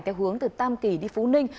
theo hướng từ tam kỳ đi phú ninh